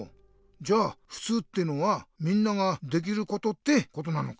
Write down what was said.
じゃあふつうってのは「みんなができること」ってことなのか。